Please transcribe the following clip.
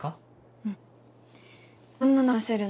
うん。